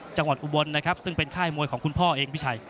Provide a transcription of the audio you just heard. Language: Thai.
อุบลนะครับซึ่งเป็นค่ายมวยของคุณพ่อเองพี่ชัย